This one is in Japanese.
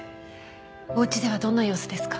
おうちではどんな様子ですか？